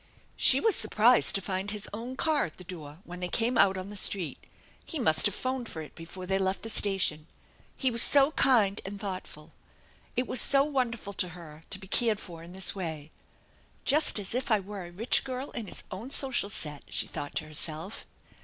She was surprised to find his own car at the door when they came out on the street. He must have phoned for it before they left the station. He was so kind and thoughtful. It was so wonderful to her to be cared for in this way. <e Just as if I were a rich girl in his own social set," she thought to herself.